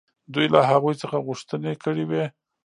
دوی له هغوی څخه غوښتنې کړې وې.